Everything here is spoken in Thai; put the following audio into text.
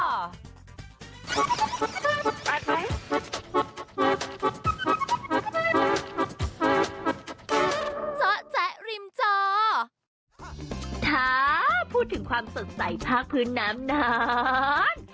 เจ้าแจ๊กริมเจาว์พูดถึงความสดใสภาคพื้นน้ำน้ำน